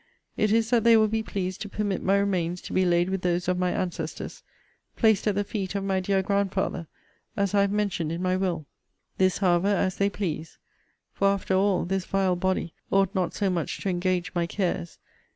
It is that they will be pleased to permit my remains to be laid with those of my ancestors placed at the feet of my dear grandfather, as I have mentioned in my will. This, however, as they please. For, after all, this vile body ought not so much to engage my cares.